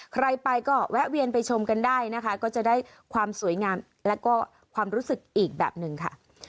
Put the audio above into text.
ใครไปก็แวะเวียนไปชมกันได้นะคะก็จะได้ความสวยงามแล้วก็ความรู้สึกอีกแบบหนึ่งค่ะ